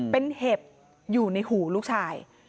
เป็นเห็บอยู่ในหูลูกชาย